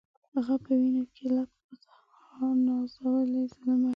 هغه په وینو کي لت پت ها نازولی زلمی